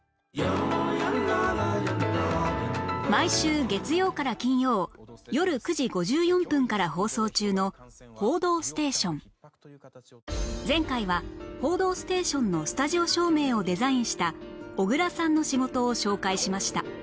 毎週月曜から金曜よる９時５４分から放送中の『報道ステーション』前回は『報道ステーション』のスタジオ照明をデザインした小倉さんの仕事を紹介しました